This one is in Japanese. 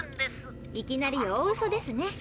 いきなり大ウソですね。